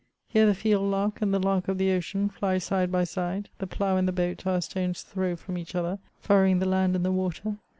Here the field lark and the lark of the ocean fly side by side, the plough and the boat are a stone's throw from each other, furrowing the land and the water.